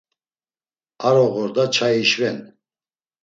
Aroğorda çai işven.